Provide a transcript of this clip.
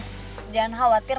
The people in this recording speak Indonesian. mas jangan khawatir